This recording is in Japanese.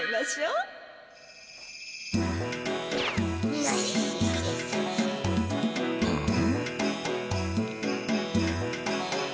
うん？